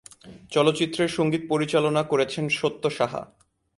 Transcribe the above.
চলচ্চিত্রের সঙ্গীত পরিচালনা করেছেন সত্য সাহা।